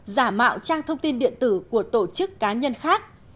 giả mạo trang thông tin điện tử của tổ chức cá nhân khác